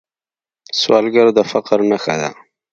سوالګر د فقر نښه ده